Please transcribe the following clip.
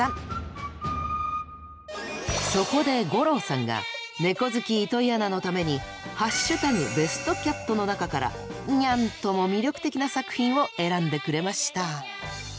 そこで五郎さんがネコ好き糸井アナのために「＃ベストキャット」の中からにゃんとも魅力的な作品を選んでくれました。